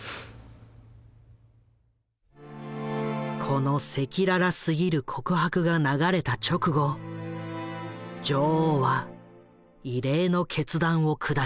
この赤裸々すぎる告白が流れた直後女王は異例の決断を下した。